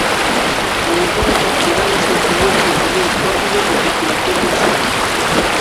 Na imprenta chegáronse a imprimir cinco mil códigos de circulación mensuais.